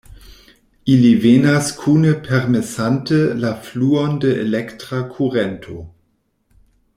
Ili venas kune permesante la fluon de elektra kurento.